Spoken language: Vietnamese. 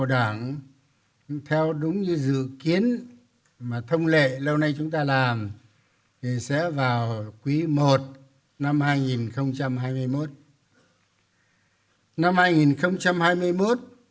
sau đây tôi xin phát biểu một số ý kiến có tinh chất gợi mở nêu vấn đề để các đồng chí cùng suy nghĩ nghiên cứu